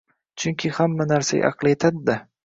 Chunki hamma narsaga aqli etadi-da